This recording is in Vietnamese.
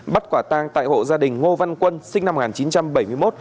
bắt quả tang tại hộ gia đình ngô văn quân sinh năm một nghìn chín trăm bảy mươi một